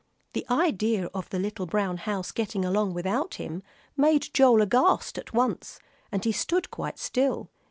The idea of the little brown house getting along without him made Joel aghast at once, and he stood quite still.